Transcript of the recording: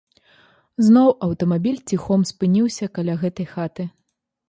Зноў аўтамабіль ціхом спыніўся каля гэтай хаты.